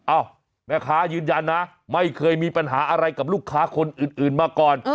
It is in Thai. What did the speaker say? แม่ค้ายืนยันนะไม่เคยมีปัญหาอะไรกับลูกค้าคนอื่นมาก่อน